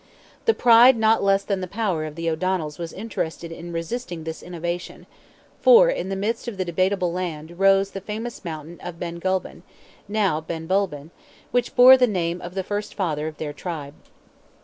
The pride not less than the power of the O'Donnells was interested in resisting this innovation, for, in the midst of the debateable land rose the famous mountain of Ben Gulban (now Benbulben), which bore the name of the first father of their tribe.